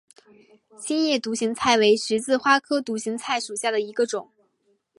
心叶独行菜为十字花科独行菜属下的一个种。